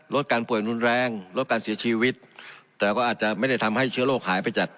ลดการป่วยรุนแรงลดการเสียชีวิตแต่ก็อาจจะไม่ได้ทำให้เชื้อโรคหายไปจาก